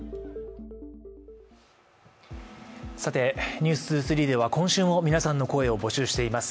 「ｎｅｗｓ２３」では今週も皆さんの声を募集しています。